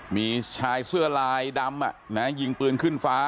มีชายเสื้อลายดำยิงปืนขึ้นฟ้า